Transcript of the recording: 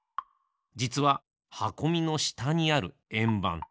じつははこみのしたにあるえんばん。